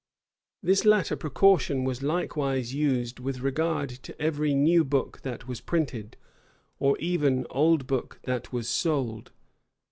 This latter precaution was likewise used with regard to every new book that was printed, or even old book that was sold.